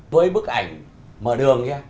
tối bức ảnh mở đường nhé